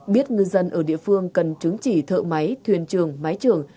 biết ngư dân ở địa phương cần chứng chỉ thợ máy thuyền trường máy trường